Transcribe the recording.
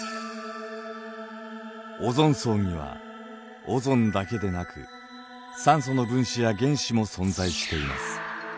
オゾン層にはオゾンだけでなく酸素の分子や原子も存在しています。